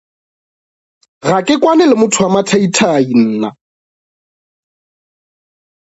Ga ke kwane le motho wa mathaithai nna.